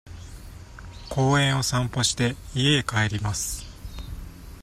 公園を散歩して、家へ帰ります。